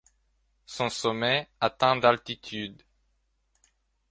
Son sommet atteint d'altitude.